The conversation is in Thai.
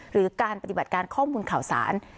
หรือการปฏิบัติการข้อมูลข่าวสาร